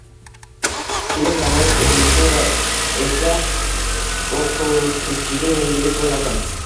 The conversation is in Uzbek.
film namoyish etilishi esa o‘qituvchiga yengillik bo‘ladi